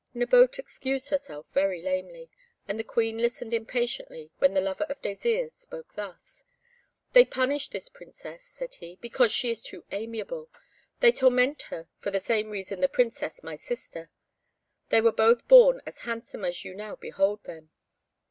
Nabote excused herself very lamely, and the Queen listened impatiently when the lover of Désirs spoke thus: "They punish this Princess," said he, "because she is too amiable; they torment for the same reason the Princess my sister. They were both born as handsome as you now behold them."